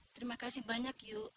terima kasih banyak yu